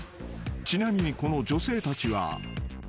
［ちなみにこの女性たちは］